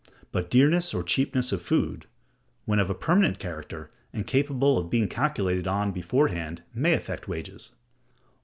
But dearness or cheapness of food, when of a permanent character, and capable of being calculated on beforehand, may affect wages.